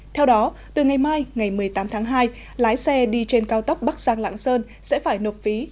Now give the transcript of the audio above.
theo đó từ ngày mai ngày một mươi tám tháng hai lái xe đi trên cao tốc bắc giang lạng sơn sẽ phải nộp phí